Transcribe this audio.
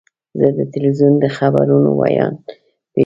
زه د تلویزیون د خبرونو ویاند پیژنم.